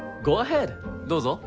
どうぞ。